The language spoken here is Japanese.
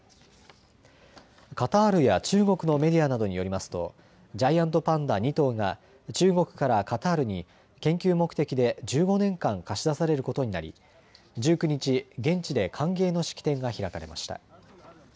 カタールや中国のメディアなどによりますとジャイアントパンダ２頭が中国からカタールに研究目的で１５年間貸し出されることになり１９日、現地で歓迎の式典が開かれました。